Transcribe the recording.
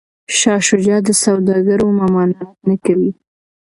شاه شجاع د سوداګرو ممانعت نه کوي.